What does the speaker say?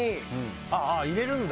ああ入れるんだ。